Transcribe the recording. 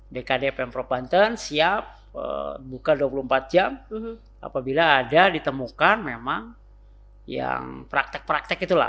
dkd pemprov banten siap buka dua puluh empat jam apabila ada ditemukan memang yang praktek praktek itulah